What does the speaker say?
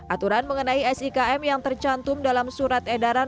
aturan mengenai sikm yang tercantum dalam surat edaran